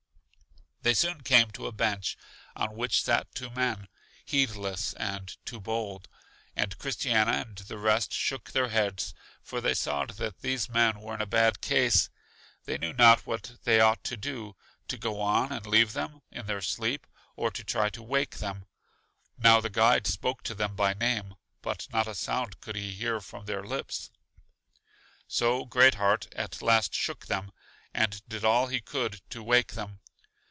They soon came to a bench, on which sat two men, Heedless and Too bold; and Christiana and the rest shook their heads for they saw that these men were in a bad case. They knew not what they ought to do: to go on and leave them in their sleep, or to try to wake them. Now the guide spoke to them by name; but not a sound could he hear from their lips. So Great heart at last shook them, and did all he could to wake them.